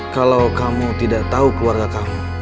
kalau kamu tidak tahu keluarga kamu